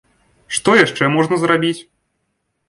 Што яшчэ можна зрабіць?